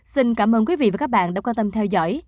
xin cảm ơn quý vị và các bạn đã quan tâm theo dõi